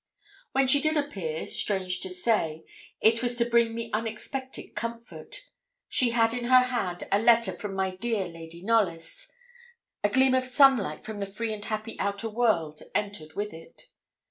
When she did appear, strange to say, it was to bring me unexpected comfort. She had in her hand a letter from my dear Lady Knollys a gleam of sunlight from the free and happy outer world entered with it.